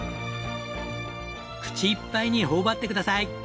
口いっぱいに頬張ってください。